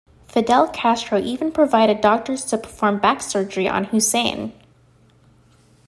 Fidel Castro even provided doctors to perform back surgery on Hussein.